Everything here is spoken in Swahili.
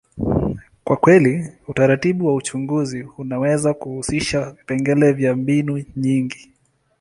kwa kweli, utaratibu wa uchunguzi unaweza kuhusisha vipengele vya mbinu nyingi.